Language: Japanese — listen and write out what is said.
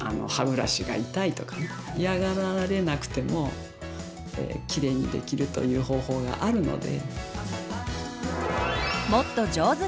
嫌がられなくてもきれいにできるという方法があるので。